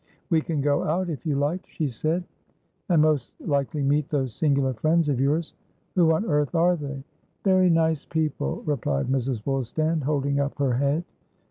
"We can go out, if you like," she said. "And most likely meet those singular friends of yours. Who on earth are they?" "Very nice people," replied Mrs. Woolstan, holding up her head.